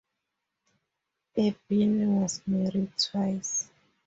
Erben was married twice.